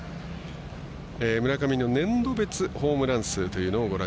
村上の年度別ホームラン数。